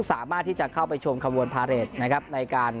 สามารถที่จะเข้าไปชมขบวนพาเรทนะครับในการ